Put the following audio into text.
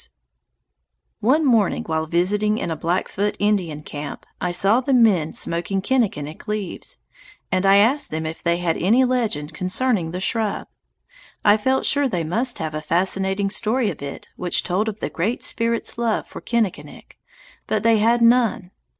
[Illustration: SUMMER AT AN ALTITUDE OF 12,000 FEET] One morning, while visiting in a Blackfoot Indian camp, I saw the men smoking kinnikinick leaves, and I asked if they had any legend concerning the shrub. I felt sure they must have a fascinating story of it which told of the Great Spirit's love for Kinnikinick, but they had none.